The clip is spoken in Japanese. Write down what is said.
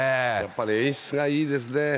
やっぱり演出がいいですね。